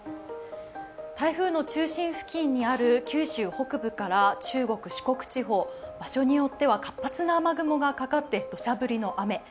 台風の中心付近にある九州北部、中国・四国地方、場所によっては活発な雨雲がかかって土砂降りの雨。